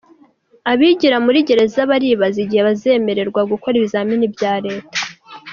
Abigira muri gereza baribaza igihe bazemererwa gukora ibizamini bya Leta